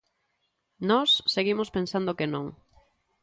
Nós seguimos pensando que non.